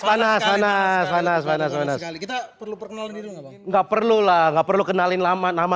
panas panas panas panas kita perlu perkenalan nggak perlu lah nggak perlu kenalin lama nama